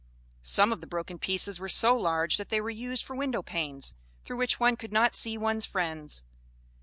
Some of the broken pieces were so large that they were used for windowpanes, through which one could not see one's friends.